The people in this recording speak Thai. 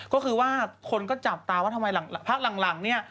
ก็คือว่าคนก็จับตาว่าทำไมพักหลังเนี่ย